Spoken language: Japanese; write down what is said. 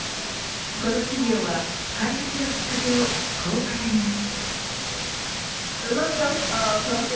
この企業は開発のきっかけをこう語ります。